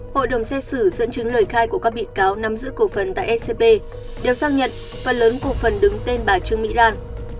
hội đồng xét xử dẫn chứng lời khai của các bị cáo nắm giữ cổ phần tại scb đều xác nhận phần lớn cổ phần đứng tên bà trương mỹ lan